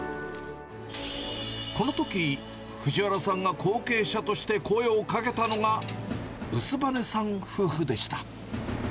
このとき、藤原さんが後継者として声をかけたのが、薄羽さん夫婦でした。